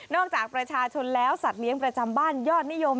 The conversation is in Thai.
จากประชาชนแล้วสัตว์เลี้ยงประจำบ้านยอดนิยม